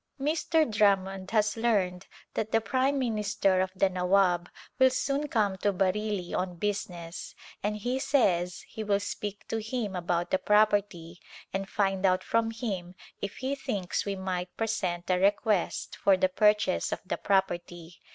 Mr. Drummond has learned that the prime minister of the Nawab will soon come to Bareilly on business A Glvnpse of India and he says he will speak to him about the property and find out from him if he thinks we might present a request for the purchase of the property.